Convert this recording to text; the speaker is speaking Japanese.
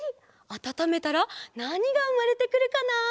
あたためたらなにがうまれてくるかな？